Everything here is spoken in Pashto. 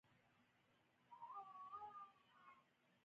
بله طریقه د شعور او مطالعې په مرسته ده.